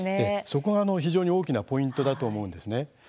そこが非常に大きなポイントだと思うんですね。